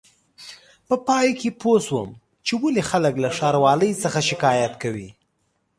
په پای کې پوه شوم چې ولې خلک له ښاروالۍ څخه شکایت کوي.